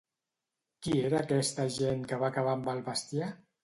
Qui era aquesta gent que va acabar amb el bestiar?